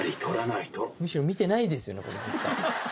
むしろ見てないですよねこれ絶対。